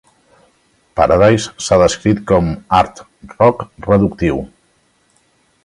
"Paradise" s'ha descrit com a art rock reductiu.